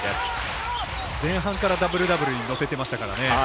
前半からダブルダブルに乗せていましたからね。